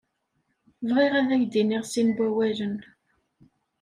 Bɣiɣ ad k-d-iniɣ sin wawalen.